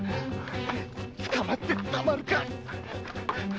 捕まってたまるか！